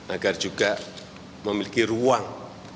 agar juga memiliki ruang